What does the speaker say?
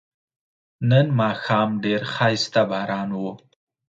نن ماښام ډیر خایسته باران و